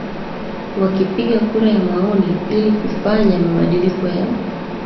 wakipiga kura ya maoni ilikufanya mabadiliko ya